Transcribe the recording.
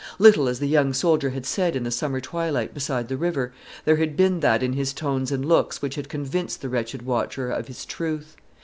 Little as the young soldier had said in the summer twilight beside the river, there had been that in his tones and looks which had convinced the wretched watcher of his truth.